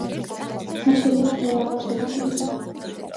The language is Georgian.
მას შემდეგ წერა აღარ შეუჩერებია.